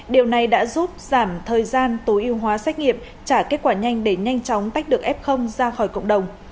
điều này đã giúp giảm thời gian tối ưu hóa xét nghiệm trả kết quả nhanh để nhanh chóng tách được f ra khỏi cộng đồng